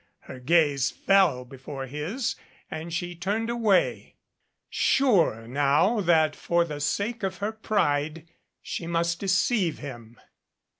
Her gaze fell before his and she turned away, sure now that for the sake of her pride she must deceive him.